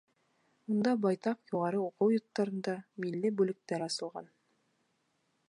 Унда байтаҡ юғары уҡыу йорттарында милли бүлектәр асылған.